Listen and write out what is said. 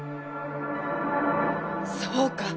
そうか！